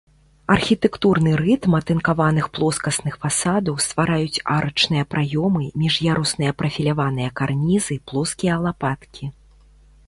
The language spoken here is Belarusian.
Архітэктурны рытм атынкаваных плоскасных фасадаў ствараюць арачныя праёмы, між'ярусныя прафіляваныя карнізы, плоскія лапаткі.